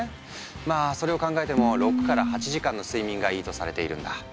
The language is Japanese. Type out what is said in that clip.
まあそれを考えても６８時間の睡眠がいいとされているんだ。